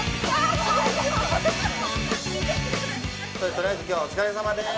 とりあえず今日はお疲れさまです。